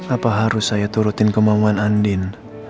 apa harus saya turutin kemauan andin